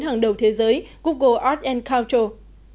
hàng đầu thế giới google art culture